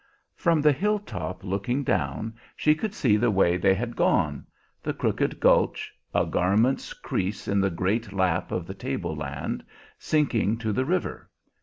From the hilltop looking down she could see the way they had gone; the crooked gulch, a garment's crease in the great lap of the table land, sinking to the river.